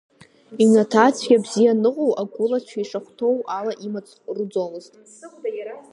Иҩнаҭа ацәгьа-абзиа аныҟоу агәылацәа ишахәҭоу ала имаҵ руӡомызт.